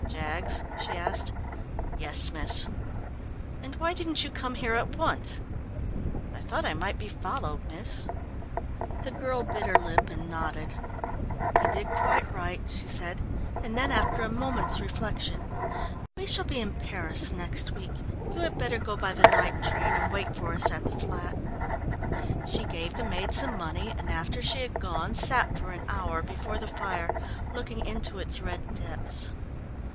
"Jaggs?" she asked. "Yes, miss." "And why didn't you come here at once?" "I thought I might be followed, miss." The girl bit her lip and nodded. "You did quite right," she said, and then after a moment's reflection, "We shall be in Paris next week. You had better go by the night train and wait for us at the flat." She gave the maid some money and after she had gone, sat for an hour before the fire looking into its red depths.